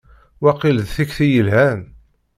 Waqil d tikti yelhan.